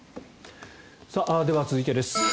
では、続いてです。